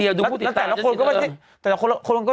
แต่คนก็ดูกูดิตายนะ